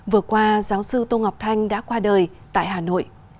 vừa qua giáo sư tô ngọc thanh đã qua đời tại hà nội